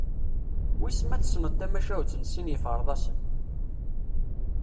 Wis ma tesneḍ tamacahut n sin yiferḍasen?